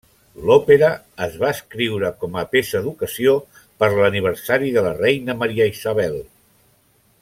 L'òpera es va escriure com a peça d'ocasió per l'aniversari de la reina Maria Isabel.